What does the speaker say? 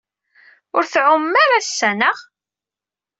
Ur tɛummem ara ass-a, anaɣ?